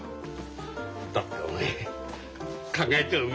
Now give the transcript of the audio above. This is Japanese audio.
だっておめえ考えてもみねえな。